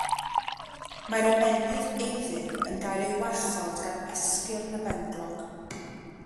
Mae'r ymennydd eiddil yn cael ei warchod gan esgyrn y benglog.